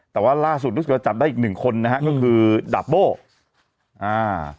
แต่ว่าล่าสุดรู้สึกว่าจับได้อีกหนึ่งคนนะฮะก็คือดาบโบ้อ่า